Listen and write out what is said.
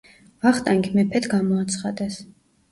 ვახტანგი მეფედ გამოაცხადეს.